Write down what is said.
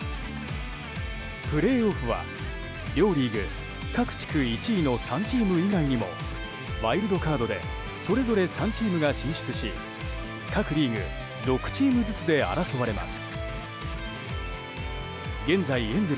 プレーオフは、両リーグ各地区１位の３チーム以外にもワイルドカードでそれぞれ３チームが進出し各リーグ６チームずつで争われます。